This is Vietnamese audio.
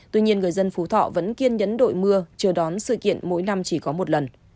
tuy nhiên người dân phú thọ vẫn kiên nhẫn đội mưa chờ đón sự kiện mỗi năm chỉ có một lần